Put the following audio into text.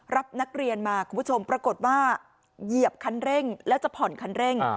รับนักเรียนมาคุณผู้ชมปรากฏว่าเหยียบคันเร่งแล้วจะผ่อนคันเร่ง